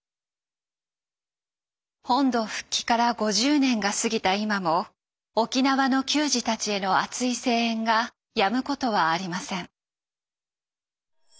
本土復帰から５０年が過ぎた今も沖縄の球児たちへの熱い声援がやむことはありません。